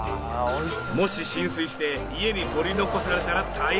もし浸水して家に取り残されたら大変だ！